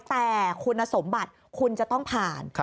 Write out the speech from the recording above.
แต่คุณสมบัติคุณจะต้องผ่าน